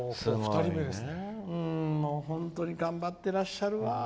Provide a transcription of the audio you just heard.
本当に頑張ってらっしゃるわ。